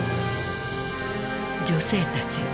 女性たちよ